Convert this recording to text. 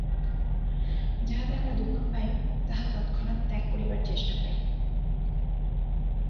যাহাতে আমরা দুঃখ পাই, তাহা তৎক্ষণাৎ ত্যাগ করিবার চেষ্টা পাই।